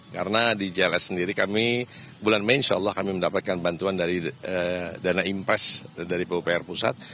karena di jls sendiri kami bulan mei insya allah kami mendapatkan bantuan dari dana impes dari pupr pusat